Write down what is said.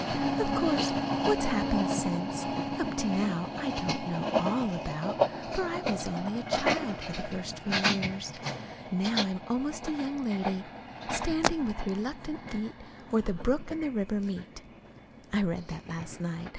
Of course what's happened since, up to now, I don't know all about, for I was only a child for the first few years. Now I'm almost a young lady, "standing with reluctant feet where the brook and river meet." (I read that last night.